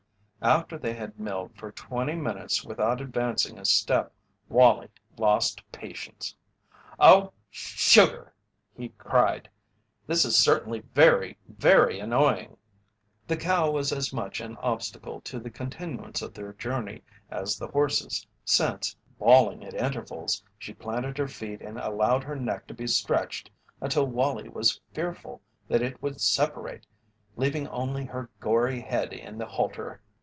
After they had milled for twenty minutes without advancing a step Wallie lost patience. "Oh, sugar!" he cried. "This is certainly very, very annoying!" The cow was as much an obstacle to the continuance of their journey as the horses, since, bawling at intervals, she planted her feet and allowed her neck to be stretched until Wallie was fearful that it would separate, leaving only her gory head in the halter.